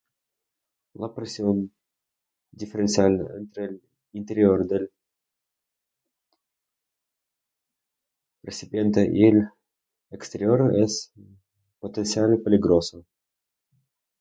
La presión diferencial entre el interior del recipiente y el exterior es potencial peligrosa.